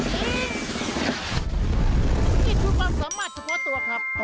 มีชุดความสามารถทุกคนตัวครับ